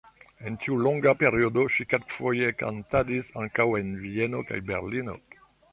En tiu longa periodo ŝi kelkfoje kantadis ankaŭ en Vieno kaj Berlino.